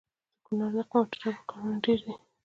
د کونړ د قیمتي ډبرو کانونه ډیر دي.